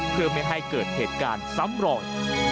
เพื่อไม่ให้เกิดเหตุการณ์ซ้ำรอย